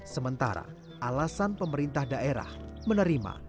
sementara alasan pemerintah daerah menerima